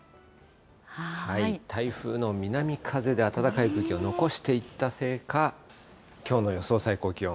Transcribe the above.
台風の南風で暖かい空気を残していったせいか、きょうの予想